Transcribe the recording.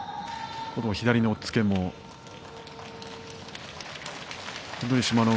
左の押っつけも志摩ノ